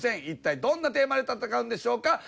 一体どんなテーマで戦うんでしょうか？